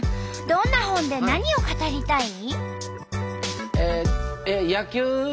どんな本で何を語りたい？